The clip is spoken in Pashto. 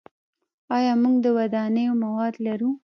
آیا موږ د ودانیو مواد لرو؟